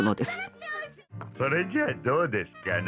それじゃあどうですかな？